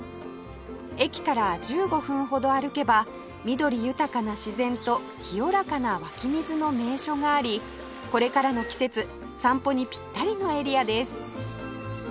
駅から１５分ほど歩けば緑豊かな自然と清らかな湧き水の名所がありこれからの季節散歩にピッタリのエリアです